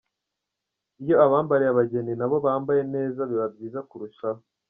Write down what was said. Iyo abambariye abageni nabo bambaye neza biba byiza kurushaho.